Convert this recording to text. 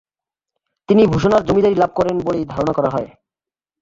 তিনি ভূষণার জমিদারী লাভ করেন বলেই ধারণা করা হয়।